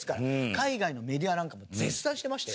海外のメディアなんかも絶賛してましたよ。